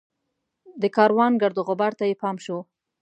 د کاروان ګرد وغبار ته یې پام شو.